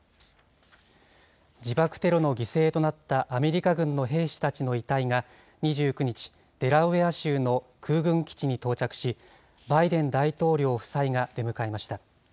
自爆テロの犠牲となった、アメリカ軍の兵士たちの遺体が２９日、デラウェア州の空軍基地に到着し、バイデン大統領夫妻が出迎えました。